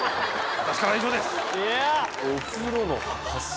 私からは以上です。